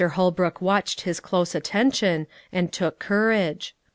Holbrook watched his close attention, and took courage.